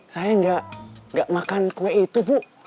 saya nggak makan kue itu bu